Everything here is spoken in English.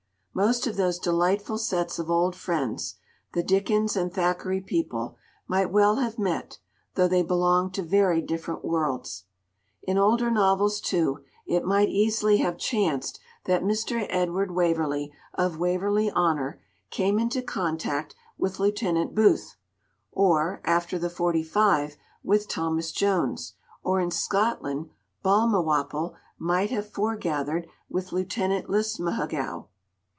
Most of those delightful sets of old friends, the Dickens and Thackeray people, might well have met, though they belonged to very different worlds. In older novels, too, it might easily have chanced that Mr. Edward Waverley of Waverley Honour, came into contact with Lieutenant Booth, or, after the Forty five, with Thomas Jones, or, in Scotland, Balmawhapple might have foregathered with Lieutenant Lismahagow.